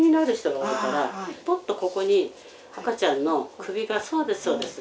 ここに赤ちゃんの首がそうですそうです。